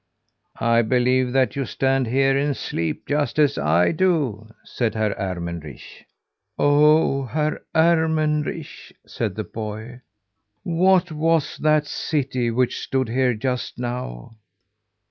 "I believe that you stand here and sleep just as I do," said Herr Ermenrich. "Oh, Herr Ermenrich!" said the boy. "What was that city which stood here just now?"